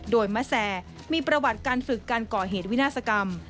โดยมะแซมีประวัติการฝึกการก่อเหตุวินาศกรรม